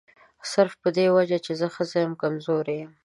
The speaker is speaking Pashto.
صرف په دې وجه چې زه ښځه یم کمزوري یم.